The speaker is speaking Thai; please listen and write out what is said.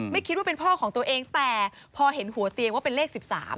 คิดว่าเป็นพ่อของตัวเองแต่พอเห็นหัวเตียงว่าเป็นเลข๑๓